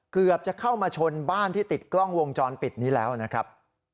เกือบจะเข้ามาชนบ้านที่ติดกล้องวงจรปิดนี้แล้วนะครับ